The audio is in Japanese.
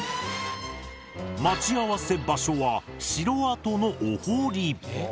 待ち合わせ場所は城跡のお堀。